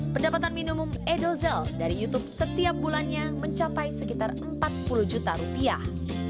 pendapatan minimum edozel dari youtube setiap bulannya mencapai sekitar empat puluh juta rupiah